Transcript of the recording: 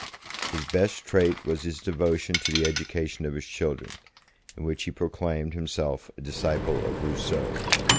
His best trait was his devotion to the education of his children, in which he proclaimed himself a disciple of Rousseau.